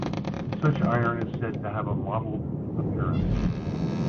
Such iron is said to have a 'mottled' appearance.